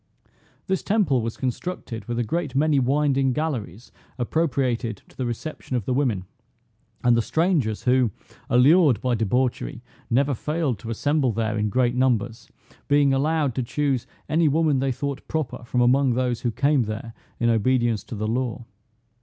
This temple was constructed with a great many winding galleries appropriated to the reception of the women, and the strangers who, allured by debauchery, never failed to assemble there in great numbers, being allowed to choose any woman they thought proper from among those who came there in obedience to the law.